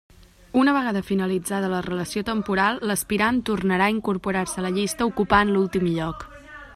Una vegada finalitzada la relació temporal, l'aspirant tornarà a incorporar-se a la llista, ocupant l'últim lloc.